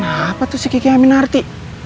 kenapa tuh si kiki aminarti